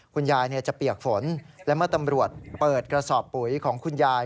คุณยายจะเปียกฝนและเมื่อตำรวจเปิดกระสอบปุ๋ยของคุณยาย